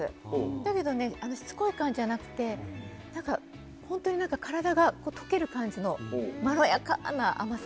だけどね、しつこい感じじゃなくて、本当になんか体がとける感じのまろやかな甘さ。